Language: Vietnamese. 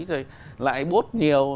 rồi lại bốt nhiều